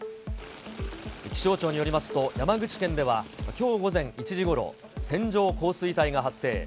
気象庁によりますと、山口県ではきょう午前１時ごろ、線状降水帯が発生。